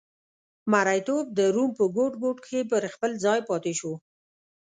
مریتوب د روم په ګوټ ګوټ کې پر خپل ځای پاتې شو